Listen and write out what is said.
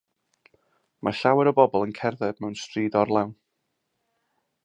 Mae llawer o bobl yn cerdded mewn stryd orlawn.